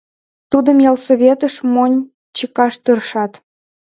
Тудым ялсоветыш монь чыкаш тыршат.